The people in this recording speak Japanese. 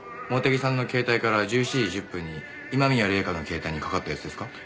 茂手木さんの携帯から１７時１０分に今宮礼夏の携帯にかかったやつですか？